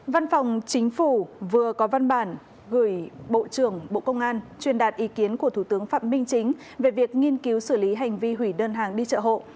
văn phòng chính phủ vừa có văn bản gửi bộ trưởng bộ công an truyền đạt ý kiến của thủ tướng phạm minh chính về việc nghiên cứu xử lý hành vi hủy đơn hàng đi chợ hộ